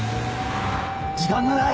時間がない！